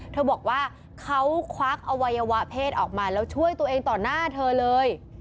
เธอบอกว่าเขาควักอวัยวะเพศออกมาแล้วช่วยตัวเองต่อหน้าเธอเลย